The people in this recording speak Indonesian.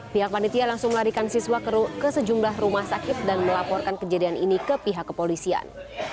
pihak panitia langsung melarikan siswa ke sejumlah rumah sakit dan melaporkan kejadian ini ke pihak kepolisian